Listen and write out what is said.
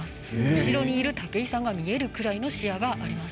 後ろにいる武井さんが見えるぐらいの視野があります。